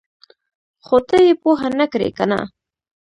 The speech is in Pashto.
ـ خو ته یې پوهه نه کړې کنه!